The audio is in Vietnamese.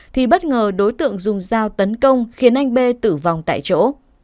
thì bất ngờ đối tượng dùng dao tấn công khiến anh b tử vong tại chỗ